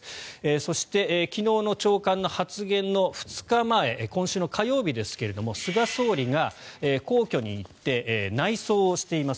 そして昨日の長官の発言の２日前今週火曜日ですが菅総理が皇居に行って内奏をしています。